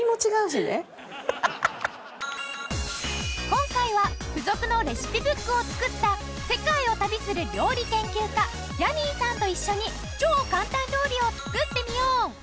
今回は付属のレシピブックを作った世界を旅する料理研究家ヤミーさんと一緒に超簡単料理を作ってみよう！